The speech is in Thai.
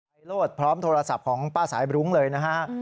โรธพร้อมโทรศัพท์ของป้าสายบรุ้งเลยนะฮะ